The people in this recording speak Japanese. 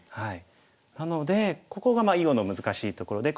なのでここが囲碁の難しいところで。